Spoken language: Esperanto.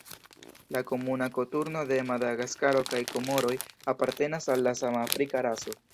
La Komuna koturno de Madagaskaro kaj Komoroj apartenas al la sama afrika raso.